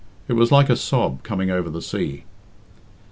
It was like a sob coming over the sea.